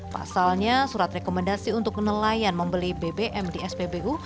pasalnya surat rekomendasi untuk nelayan membeli bbm di spbu